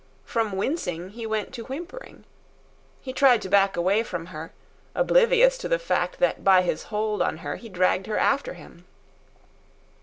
From wincing he went to whimpering. He tried to back away from her, oblivious to the fact that by his hold on her he dragged her after him.